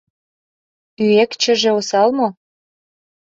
«Ӱэкчыже осал мо?